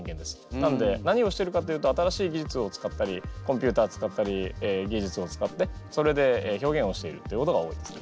なので何をしてるかというと新しい技術を使ったりコンピューター使ったり技術を使ってそれで表現をしているってことが多いですね。